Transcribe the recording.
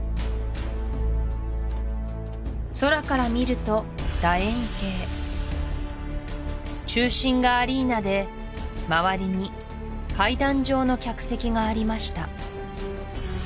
空から見ると楕円形中心がアリーナで周りに階段状の客席がありました